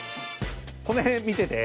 この辺見てて。